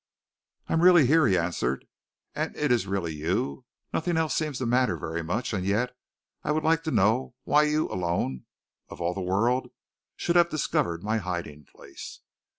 "I am really here," he answered, "and it is really you! Nothing else seems to matter very much, and yet, I would like to know why you alone, of all the world, should have discovered my hiding place."